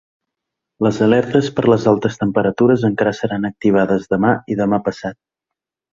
Les alertes per les altes temperatures encara seran activades demà i demà-passat.